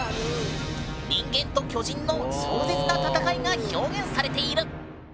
人間と巨人の壮絶な戦いが表現されている！